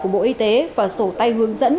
của bộ y tế và sổ tay hướng dẫn